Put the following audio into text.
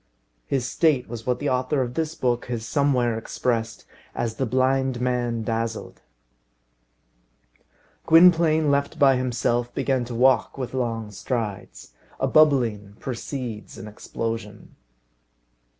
His state was what the author of this book has somewhere expressed as the blind man dazzled. Gwynplaine, left by himself, began to walk with long strides. A bubbling precedes an explosion.